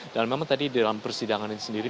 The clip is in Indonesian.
dan memang tadi di dalam persidangan ini sendiri